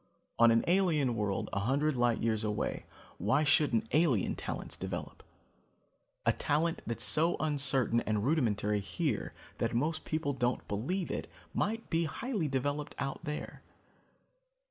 On an alien world a hundred light years away, why shouldn't alien talents develop? A talent that's so uncertain and rudimentary here that most people don't believe it, might be highly developed out there.